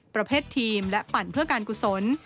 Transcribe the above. ประเภททีมและปั่นเพื่อการกุศล